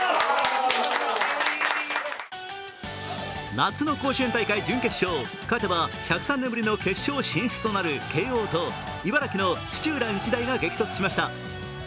夏の甲子園大会準決勝、勝てば１０３年ぶりの決勝進出となる慶応と茨城の土浦日大が激突しました。